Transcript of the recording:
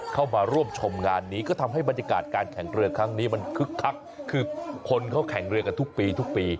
เข้ามาร่วมชมงานนี้ก็ทำให้บรรยากาศการแข่งเรือครั้งนี้มันคึกคักคือคนเขาแข่งเรือกันทุกปีทุกปี